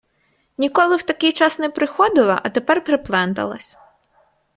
Ніколи в такий час не приходила, а тепер припленталась.